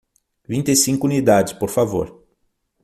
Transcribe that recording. Vinte e cinco unidades, por favor.